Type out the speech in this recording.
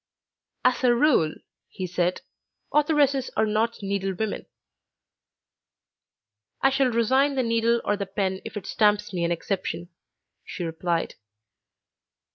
"As a rule," he said, "authoresses are not needle women." "I shall resign the needle or the pen if it stamps me an exception," she replied.